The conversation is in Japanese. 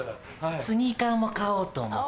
スニーカーも買おうと思って。